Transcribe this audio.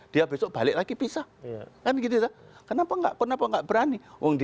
dia besok balik lagi pisah kan begitu kenapa nggak kenapa nggak berani